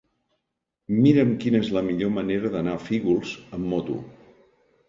Mira'm quina és la millor manera d'anar a Fígols amb moto.